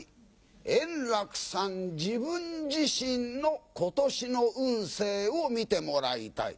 円楽さん、自分自身のことしの運勢を見てもらいたい。